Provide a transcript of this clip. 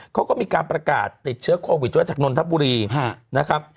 เขาก็มีการประกาศติดเชื้อโควิดด้วยจากนนทบุรีนะครับ